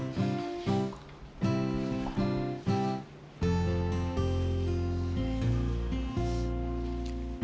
kak apa gabisa lagi kerju copot